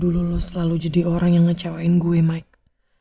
dulu lo selalu jadi orang yang ngecewain gue mike